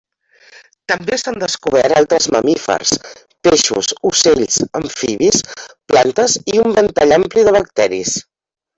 També s’han descobert altres mamífers, peixos, ocells, amfibis, plantes i un ventall ampli de bacteris.